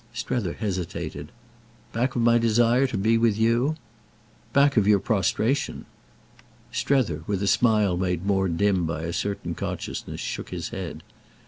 Strether hesitated. "Back of my desire to be with you?" "Back of your prostration." Strether, with a smile made more dim by a certain consciousness, shook his head.